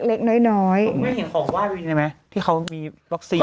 ไม่เห็นของไหว้วินได้ไหมที่เขามีวัคซีน